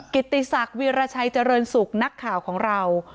กิติศักดิ์วีรชัยเจริญสุขนักข่าวของเรา